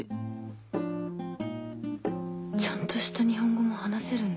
ちゃんとした日本語も話せるんだ。